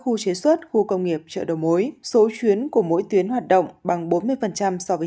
khu chế xuất khu công nghiệp chợ đầu mối số chuyến của mỗi tuyến hoạt động bằng bốn mươi so với